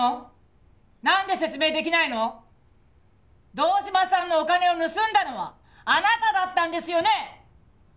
堂島さんのお金を盗んだのはあなただったんですよね？